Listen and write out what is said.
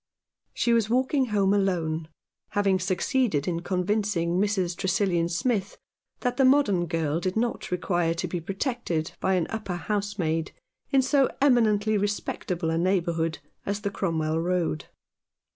She was walking home alone, having succeeded in convincing Mrs. Tresillian Smith that the modern girl did not require to be protected by an upper housemaid in so eminently respectable a neighbourhood as the Cromwell Road.